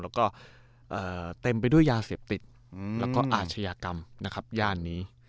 แล้วก็เต็มไปด้วยยาเสพติดแล้วก็อาชญากรรมนะครับย่านนี้